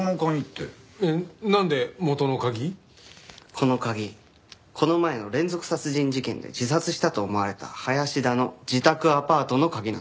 この前の連続殺人事件で自殺したと思われた林田の自宅アパートの鍵なんです。